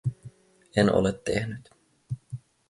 En ole tehnyt.